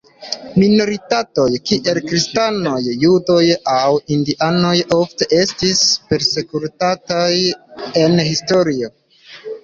Minoritatoj, kiel kristanoj, judoj aŭ indianoj ofte estis persekutataj en historio.